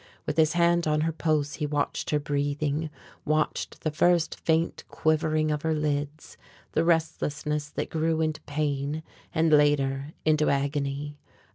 With his hand on her pulse he watched her breathing, watched the first faint quivering of her lids, the restlessness that grew into pain and later into agony.